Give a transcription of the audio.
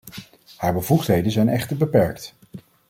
Haar bevoegdheden zijn echter beperkt.